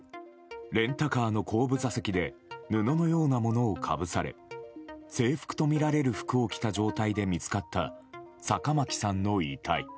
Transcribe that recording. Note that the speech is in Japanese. レンタカーの後部座席で布のようなものをかぶされ制服とみられる服を着た状態で見つかった坂巻さんの遺体。